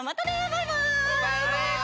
バイバイ！